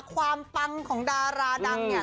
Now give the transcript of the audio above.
ปังของดาราดังเนี่ย